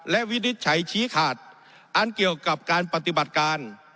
และวินิจฉัยชี้ขาดอันเกี่ยวกับการปฏิบัติการ